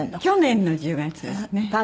去年の１０月ですね。